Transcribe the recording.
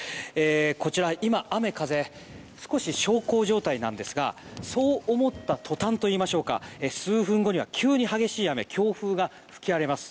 こちら、雨風小康状態なんですがそう思った途端といいましょうか数分後には急に激しい雨、強風が吹き荒れます。